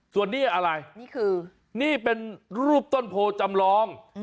ส่วนนี้อะไรนี่คือนี่เป็นรูปต้นโพจำลอง